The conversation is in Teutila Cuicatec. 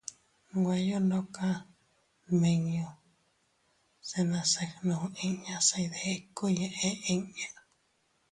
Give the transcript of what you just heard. Nweyo ndoka nmiño se nase gnu inñas se iydikuy eʼe inña.